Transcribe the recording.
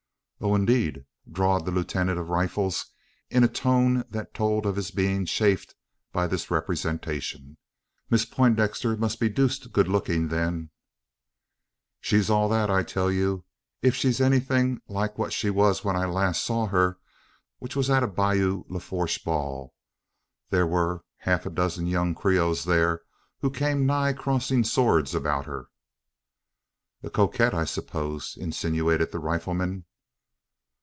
"Oh, indeed!" drawled the lieutenant of rifles, in a tone that told of his being chafed by this representation. "Miss Poindexter must be deuced good looking, then." "She's all that, I tell you, if she be anything like what she was when I last saw her, which was at a Bayou Lafourche ball. There were half a dozen young Creoles there, who came nigh crossing swords about her." "A coquette, I suppose?" insinuated the rifleman.